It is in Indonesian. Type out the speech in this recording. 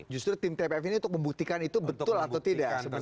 justru tim tpf ini untuk membuktikan itu betul atau tidak